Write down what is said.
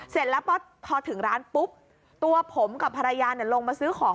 เสร็จแล้วพอถึงร้านปุ๊บตัวผมกับภรรยาลงมาซื้อของ